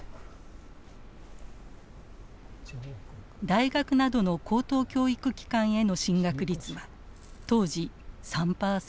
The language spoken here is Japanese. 大学などの高等教育機関への進学率は当時３％ほど。